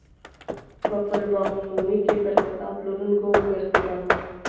په پل باغ عمومي کې پر کتاب پلورونکو وګرځېدم.